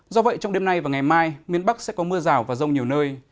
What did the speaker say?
do vậy trong đêm nay và ngày mai miền bắc sẽ có mưa rào và rông nhiều nơi